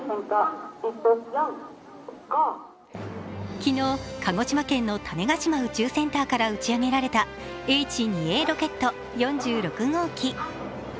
昨日、鹿児島県の種子島宇宙センターから打ち上げられたＨ２Ａロケット４６号機。